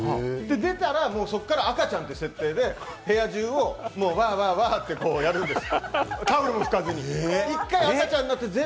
出たら、そこから赤ちゃんという設定で、部屋中をワー、ワー、ワーとやるんです。